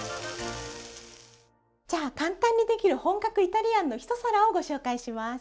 じゃあ簡単にできる本格イタリアンの一皿をご紹介します。